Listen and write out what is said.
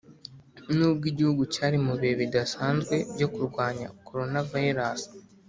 nubwo igihugu cyari mu bihe bidasanzwe byo kurwanya Coronavirus.